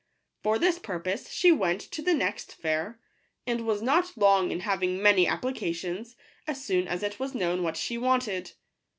For this purpose she went to the next fair, and was not long in having many appli cations, as soon as it was known what she wanted.